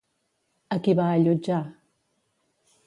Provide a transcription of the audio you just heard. A qui va allotjar?